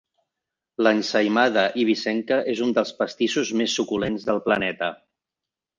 L'ensaïmada eivissenca és un dels pastissos més suculents del planeta.